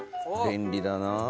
便利だなあ。